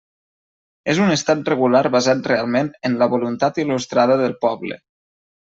És un estat regular basat realment en la voluntat il·lustrada del poble.